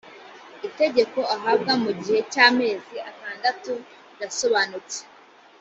itegeko ahabwa mu gihe cy amezi atandatu rirasobanutse